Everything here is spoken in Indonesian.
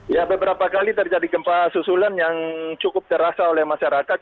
ya beberapa kali terjadi gempa susulan yang cukup terasa oleh masyarakat